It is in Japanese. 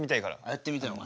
やってみてお前。